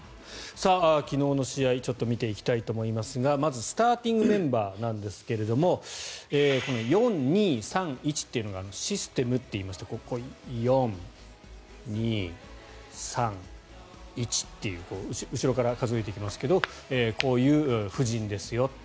昨日の試合ちょっと見ていきたいと思いますがまずスターティングメンバーなんですがこの４−２−３−１というのがシステムといいましてここ４、２、３、１っていう後ろから数えていきますがこういう布陣ですよと。